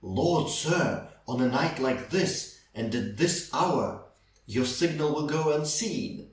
Lord, sir! On a night like this! And at this hour! Your signal will go unseen.